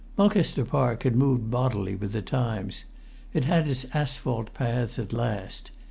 Mulcaster Park had moved bodily with the times. It had its asphalt paths at last.